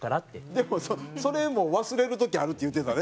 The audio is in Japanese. でもそれも忘れる時あるって言ってたで。